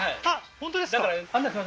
本当ですか？